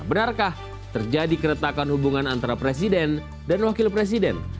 benarkah terjadi keretakan hubungan antara presiden dan wakil presiden